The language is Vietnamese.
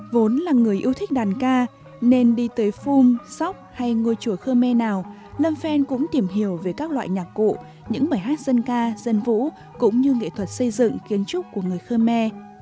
vốn là người yêu thích đàn ca nên đi tới phung sóc hay ngôi chùa khơ me nào lâm phen cũng tìm hiểu về các loại nhạc cụ những bài hát dân ca dân vũ cũng như nghệ thuật xây dựng kiến trúc của người khơ me